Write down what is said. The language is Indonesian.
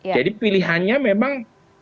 jadi pilihannya memang